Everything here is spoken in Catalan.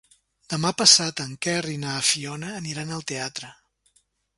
Demà passat en Quer i na Fiona aniran al teatre.